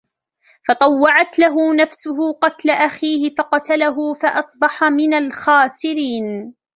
فَطَوَّعَتْ لَهُ نَفْسُهُ قَتْلَ أَخِيهِ فَقَتَلَهُ فَأَصْبَحَ مِنَ الْخَاسِرِينَ